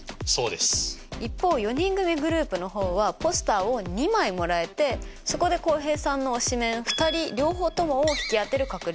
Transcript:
一方４人組グループの方はポスターを２枚もらえてそこで浩平さんの推しメン２人両方ともを引き当てる確率。